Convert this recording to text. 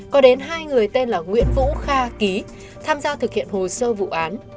có đến hai người tên là nguyễn vũ kha ký tham gia thực hiện hồ sơ vụ án